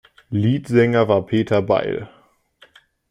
Leadsänger war Peter Beil.